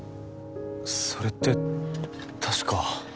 それって確か。